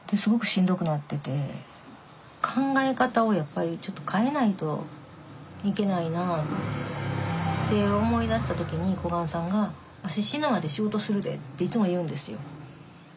考え方をやっぱりちょっと変えないといけないなあって思い出した時に小雁さんが「わし死ぬまで仕事するで」っていつも言うんですよ。